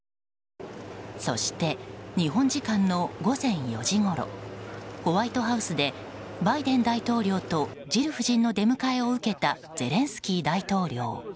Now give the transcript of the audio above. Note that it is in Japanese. そして、日本時間の午前４時ごろホワイトハウスでバイデン大統領とジル夫人の出迎えを受けたゼレンスキー大統領。